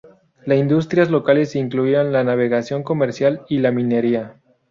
Las industrias locales incluían la navegación comercial y la minería.